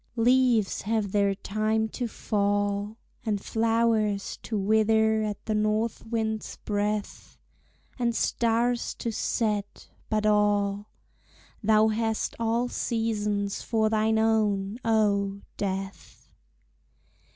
Leaves have their time to fall, And flowers to wither at the north wind's breath, And stars to set but all, Thou hast all seasons for thine own, oh! Death.